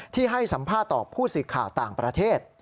ให้สัมภาษณ์ต่อผู้สื่อข่าวต่างประเทศ